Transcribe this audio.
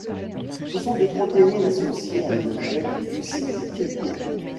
Ce sont des protéines associées à une chaîne glucidique courte.